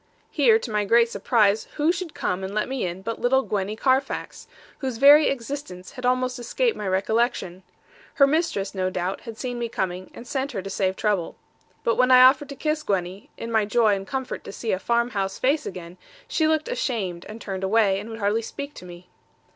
Here, to my great surprise, who should come and let me in but little Gwenny Carfax, whose very existence had almost escaped my recollection. Her mistress, no doubt, had seen me coming, and sent her to save trouble. But when I offered to kiss Gwenny, in my joy and comfort to see a farm house face again, she looked ashamed, and turned away, and would hardly speak to me.